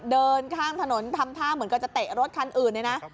เดินข้ามถนนทำท่าเหมือนกันจะเตะรถคันอื่นเลยนะ